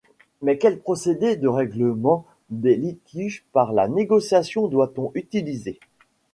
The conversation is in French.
Mais quels procédés de règlement des litiges par la négociation doit-on utiliser?